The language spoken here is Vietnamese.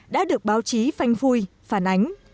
đã được báo chí phanh phui phản ánh